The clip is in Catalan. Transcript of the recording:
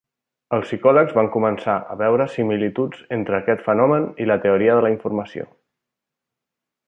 Els psicòlegs van començar a veure similituds entre aquest fenomen i la teoria de la informació.